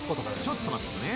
ちょっと待つのね。